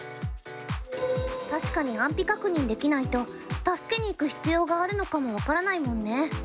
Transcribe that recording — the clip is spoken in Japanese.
確かに安否確認できないと助けに行く必要があるのかも分からないもんね。